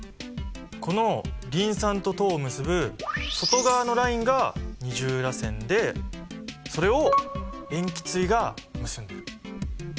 このリン酸と糖を結ぶ外側のラインが二重らせんでそれを塩基対が結んでる。